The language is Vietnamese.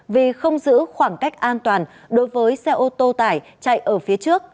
vì không giữ khoảng cách an toàn đối với xe ô tô tải chạy ở phía trước